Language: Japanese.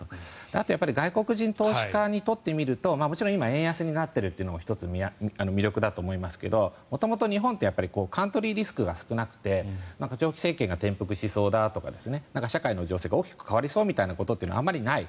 あとやっぱり外国人投資家にとってみるともちろん今円安になっていることも１つ、魅力だと思いますが元々、日本ってカントリーリスクが少なくて長期政権が転覆しそうだとか社会の情勢が大きく変わりそうだというのがあまりない。